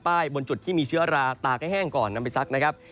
บนจุดที่มีเชื้อราตากให้แห้งก่อนนำไปซักนะครับ